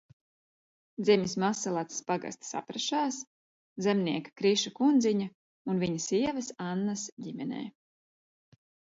"Dzimis Mazsalacas pagasta "Saprašās" zemnieka Kriša Kundziņa un viņa sievas Annas ģimenē."